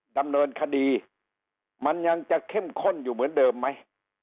ดำเนินคดีมันยังจะเข้มข้นอยู่เหมือนเดิมไหม